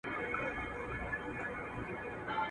عشق مي خوی عشق مي مسلک عشق مي عمل دی.